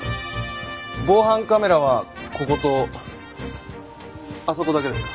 防犯カメラはこことあそこだけですか？